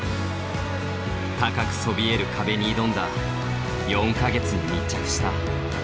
高くそびえる壁に挑んだ４か月に密着した。